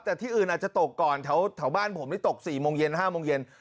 แต่ที่อื่นอาจจะตกก่อนแถวบ้านผมนี่ตก๔โมงเย็น๕โมงเย็น